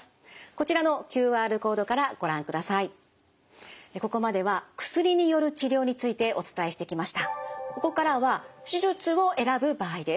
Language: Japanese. ここからは手術を選ぶ場合です。